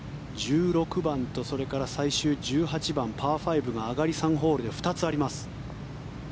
１６番とそれから最終１８番、パー５が上がり３ホールで２つあります。